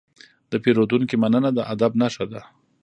د پیرودونکي مننه د ادب نښه ده.